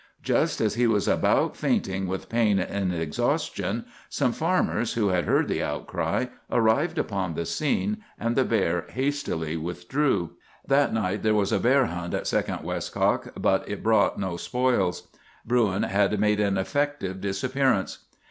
Just as he was about fainting with pain and exhaustion, some farmers, who had heard the outcry, arrived upon the scene, and the bear hastily withdrew. "That night there was a bear hunt at Second Westcock, but it brought no spoils. Bruin had made an effective disappearance.